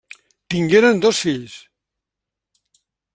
Tingueren dos fills.